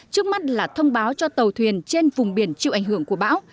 trước mắt là thông báo cho tàu thuyền trên vùng biển chịu ảnh hưởng của bão